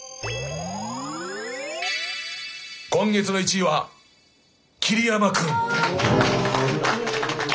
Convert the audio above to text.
今月の１位は桐山君。